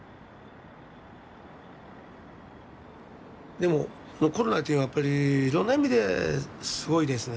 でもコロナっていうのはやっぱりいろんな意味ですごいですね。